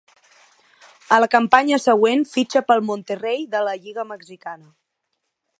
A la campanya següent fitxa pel Monterrey de la lliga mexicana.